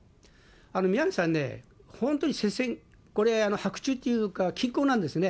宮根さんね、本当に接戦、これ、伯仲っていうか、きっ抗なんですね。